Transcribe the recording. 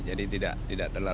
jadi tidak terlalu banyak